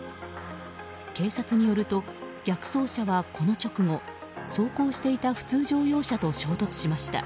警察によると逆走車は、この直後走行していた普通乗用車と衝突しました。